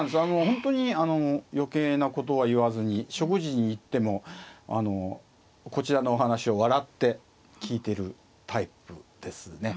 本当に余計なことは言わずに食事に行ってもこちらの話を笑って聞いてるタイプですね。